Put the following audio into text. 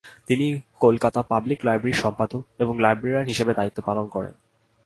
তিনি কলকাতা পাবলিক লাইব্রেরীর সম্পাদক এবং লাইব্রেরিয়ান হিসেবে দায়িত্ব পালন করেন।